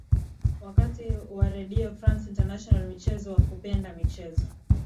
wakati wa redio france international michezo ama ukipenda rfi michezo